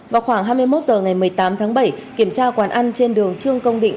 vào khoảng hai mươi một h ngày một mươi tám tháng bảy kiểm tra quán ăn trên đường trương công định